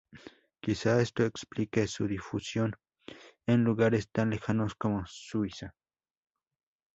Quizá esto explique su difusión en lugares tan lejanos como Suiza.